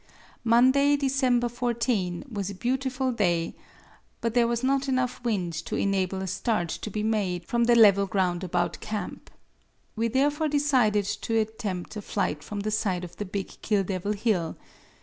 Monday, December 14, was a beautiful day, but there was not enough wind to enable a start to be made from the level ground about camp. We therefore decided to attempt a flight from the side of the big Kill Devil Hill.